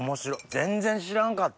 全然知らんかった。